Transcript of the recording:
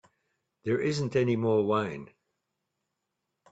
There isn't any more wine.